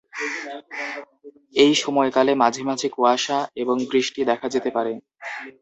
এই সময়কালে মাঝে মাঝে কুয়াশা এবং বৃষ্টি দেখা যেতে পারে।